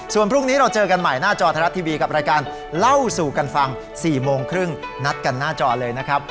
ส่วนพรุ่งนี้เราเจอกันใหม่หน้าจอไทยรัฐทีวีกับรายการเล่าสู่กันฟัง๔โมงครึ่งนัดกันหน้าจอเลยนะครับ